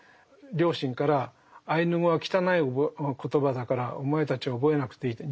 両親から「アイヌ語は汚い言葉だからお前たちは覚えなくていい。